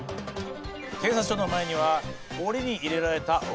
警察署の前には檻に入れられた鬼。